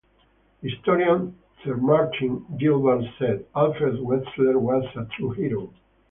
The historian Sir Martin Gilbert said: Alfred Wetzler was a true hero.